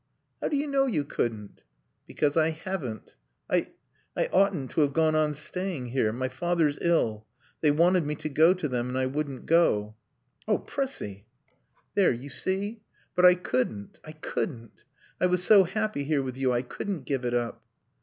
"How do you know you couldn't?" "Because I haven't. I I oughtn't to have gone on staying here. My father's ill. They wanted me to go to them and I wouldn't go." "Oh, Prissie " "There, you see. But I couldn't. I couldn't. I was so happy here with you. I couldn't give it up."